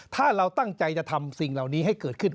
ถ้าเราตั้งใจจะทำสิ่งเหล่านี้ให้เกิดขึ้น